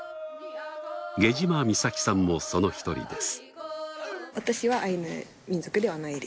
源島美咲さんもその１人です。